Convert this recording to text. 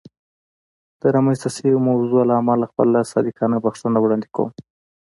د رامنځته شوې موضوع له امله خپله صادقانه بښنه وړاندې کوم.